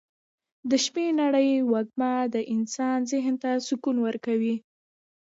د شپې نرۍ وږمه د انسان ذهن ته سکون ورکوي.